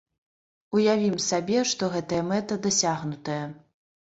Уявім сабе, што гэтая мэта дасягнутая.